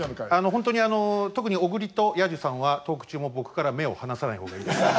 本当にあの特に小栗と彌十さんはトーク中も僕から目を離さない方がいいです。